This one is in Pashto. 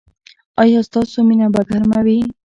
ایا ستاسو مینه به ګرمه وي؟